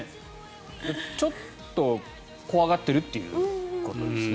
ちょっと怖がっているということですね。